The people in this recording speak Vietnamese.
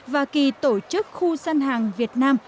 và kỳ tổ chức khu gian hàng việt nam